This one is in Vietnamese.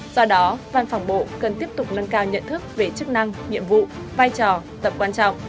do đó văn phòng bộ cần tiếp tục nâng cao nhận thức về chức năng nhiệm vụ vai trò tập quan trọng